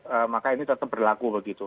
eee maka ini tetap berlaku begitu